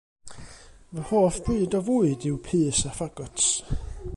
Fy hoff bryd o fwyd yw pys a ffagots.